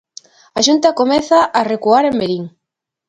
A Xunta comeza a recuar en Verín.